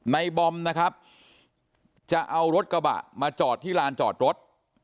บอมนะครับจะเอารถกระบะมาจอดที่ลานจอดรถ